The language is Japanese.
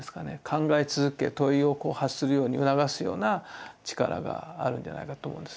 考え続け問いを発するように促すような力があるんじゃないかと思うんですね。